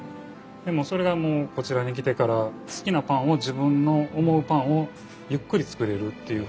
でもそれがもうこちらに来てから好きなパンを自分の思うパンをゆっくり作れるっていうふうに。